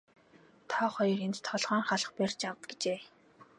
Та хоёр энд толгойн халх барьж ав гэжээ.